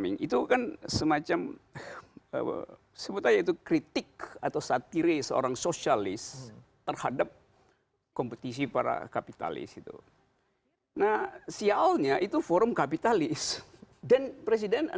meniadakan demokrasi saya beritu bisa diterapkan orang dari pernyataan sandiaga uno menafsirkan